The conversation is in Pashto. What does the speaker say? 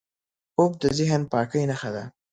خوب د ذهن پاکۍ نښه ده